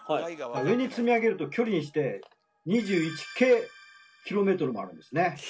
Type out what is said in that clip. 上に積み上げると距離にして２１京ｋｍもあるんですね。